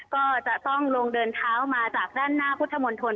ก็จะต้องลงเดินเท้ามาจากด้านหน้าพุทธมนตร